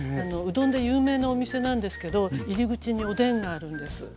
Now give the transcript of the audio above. うどんで有名なお店なんですけど入り口におでんがあるんです。